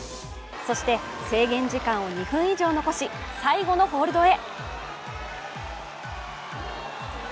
そして制限時間を２分以上残し、最後のホールドへ。